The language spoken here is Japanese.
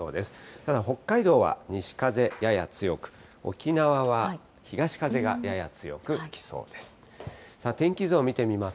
ただ北海道は西風やや強く、沖縄は東風がやや強く吹きそうです。